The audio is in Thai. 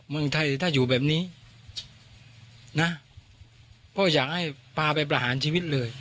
เมืองไทยถ้าอยู่แบบนี้นะพ่ออยากให้พาไปประหารชีวิตเลย